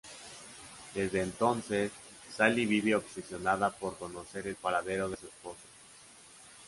Desde entonces Sally vive obsesionada por conocer el paradero de su esposo.